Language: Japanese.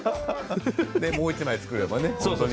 もう１枚、作れば。